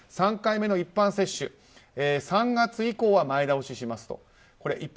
３回目の一般接種３月以降は前倒ししますと。